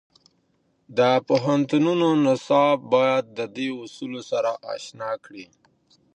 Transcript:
د پوهنتونو نصاب باید د دې اصولو سره اشنا کړي.